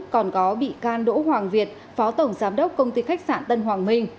còn có bị can đỗ hoàng việt phó tổng giám đốc công ty khách sạn tân hoàng minh